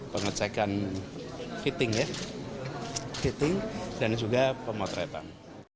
pengecekan fitting ya fitting dan juga pemotretan